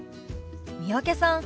三宅さん